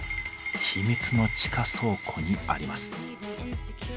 ヒミツの地下倉庫にあります。